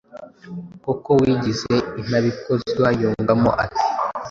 koko wigize intabikozwa!” Yungamo, ati: